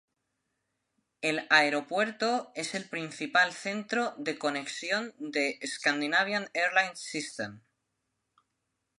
El aeropuerto es el principal centro de conexión de Scandinavian Airlines System.